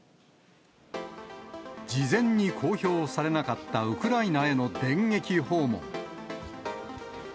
事前に公表されなかったウクライナへの電撃訪問。